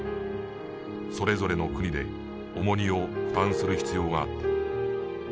それぞれの国で重荷を負担する必要があった。